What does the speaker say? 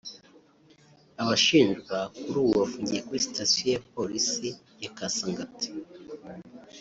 Abashinjwa kuri ubu bafungiye kuri station ya polisi ya Kasangati